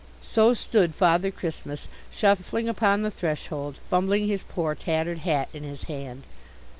So stood Father Christmas shuffling upon the threshold, fumbling his poor tattered hat in his hand.